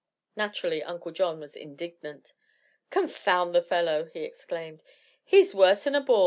Naturally Uncle John was indignant. "Confound the fellow!" he exclaimed. "He's worse than a boor.